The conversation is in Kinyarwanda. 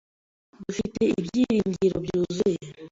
dufite ibyiringiro byuzuye